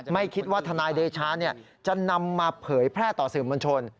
ไม่คิดว่าทนายเดชาจะนำมาเผยแพร่ต่อสื่อมวลชน